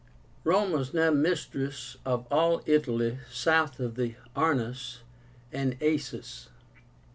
Rome was now mistress of all Italy south of the Arnus and Aesis.